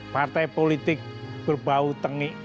partai politik berbau tengik